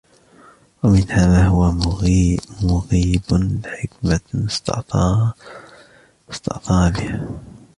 وَمِنْهَا مَا هُوَ مَغِيبُ حِكْمَةٍ اسْتَأْثَرَ بِهَا